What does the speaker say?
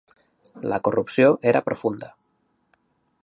La corrupció era profunda.